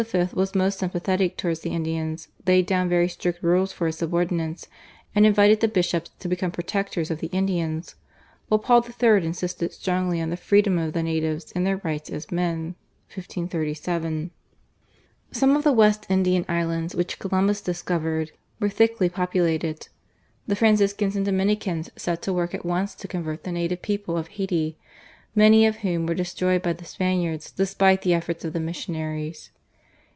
was most sympathetic towards the Indians, laid down very strict rules for his subordinates, and invited the bishops to become protectors of the Indians, while Paul III. insisted strongly on the freedom of the natives and their rights as men (1537). Some of the West Indian Islands which Columbus discovered were thickly populated. The Franciscans and Dominicans set to work at once to convert the native people of Hayti, many of whom were destroyed by the Spaniards despite the efforts of the missionaries.